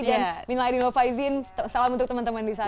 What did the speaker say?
dan minlahirin lo faizin salam untuk temen temen di sana